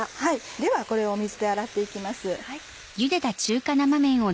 ではこれを水で洗って行きます。